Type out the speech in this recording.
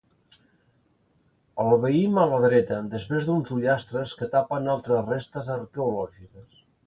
El veim a la dreta, després d'uns ullastres que tapen altres restes arqueològiques.